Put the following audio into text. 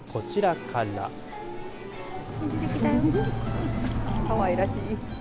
かわいらしい。